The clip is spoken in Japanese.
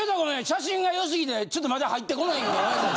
写真が良すぎてちょっとまだ入ってこないごめんなさい。